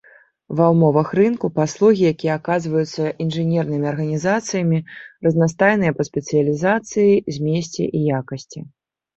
Ва ўмовах рынку, паслугі, якія аказваюцца інжынернымі арганізацыямі разнастайныя па спецыялізацыі, змесце і якасці.